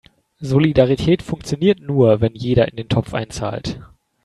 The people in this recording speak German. Solidarität funktioniert nur, wenn jeder in den Topf einzahlt.